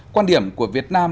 quan điểm của việt nam